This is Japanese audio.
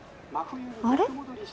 あれ？